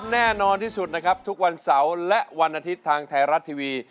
แน่นอนที่สุดนะครับทุกวันเสาร์และวันอาทิตย์ทางไทยรัฐทีวี